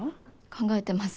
考えてます